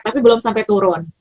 tapi belum sampai turun